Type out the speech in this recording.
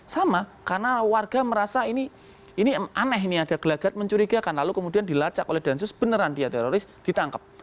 sama karena warga merasa ini aneh ini ada gelagat mencurigakan lalu kemudian dilacak oleh densus beneran dia teroris ditangkap